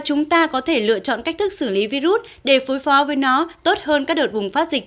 chúng ta có thể lựa chọn cách thức xử lý virus để phối phó với nó tốt hơn các đợt bùng phát dịch